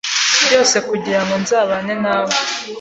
byose kugira ngo nzabane nawe